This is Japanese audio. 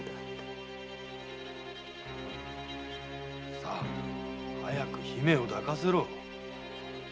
・さあ早く姫を抱かせろ。